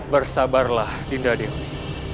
bersabarlah dinda dewi